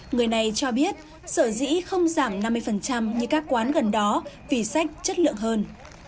người này cho biết sở dĩ không giảm năm mươi như các quán gần đó vì sách chất lượng hơn